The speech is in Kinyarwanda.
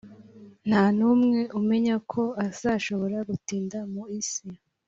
Ntanumwe umenya ko azashobora gutinda mu isi